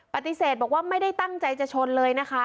ปฏิเสธบอกว่าไม่ได้ตั้งใจจะชนเลยนะคะ